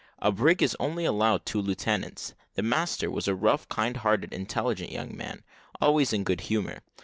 A brig is only allowed two lieutenants. The master was a rough, kind hearted, intelligent young man, always in good humour.